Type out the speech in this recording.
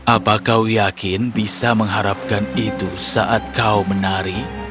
apa kau yakin bisa mengharapkan itu saat kau menari